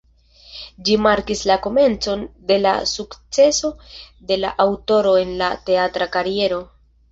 Ĝi markis la komencon de la sukceso de la aŭtoro en la teatra kariero.